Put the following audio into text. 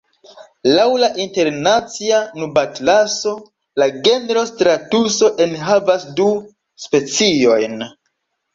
Laŭ la Internacia Nubatlaso, la genro stratuso enhavas du speciojn.